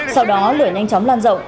sau đó lửa nhanh chóng lan rộng